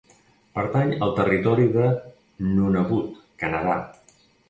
Pertany al territori de Nunavut, Canadà.